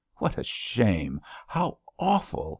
What a shame! How awful!